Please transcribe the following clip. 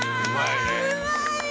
うまい！